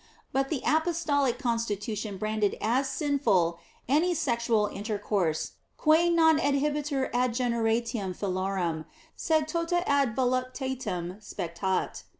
But the apostolic constitution branded as sinful any sexual intercourse quæ non adhibetur ad generationem filiorum sed tota ad voluptatem spectat.